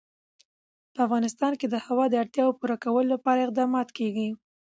په افغانستان کې د هوا د اړتیاوو پوره کولو لپاره اقدامات کېږي.